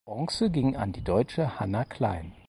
Bronze ging an die Deutsche Hanna Klein.